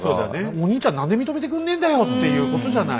お兄ちゃん何で認めてくんねえんだよっていうことじゃない？